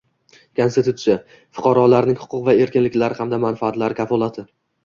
Konstitutsiya – fuqarolarning huquq va erkinliklari hamda manfaatlari kafolati